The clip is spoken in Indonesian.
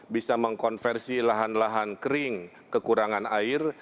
bisa mengkonversi lahan lahan kering kekurangan air